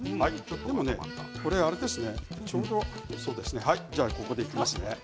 でも、これはあれですねちょうど横でいきますね